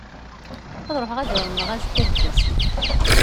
Ad ruḥeɣ ad εummeɣ azekka deg wasif.